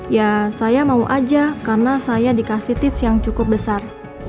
ya saya mau aja karena saya dikasih tips yang cukup besar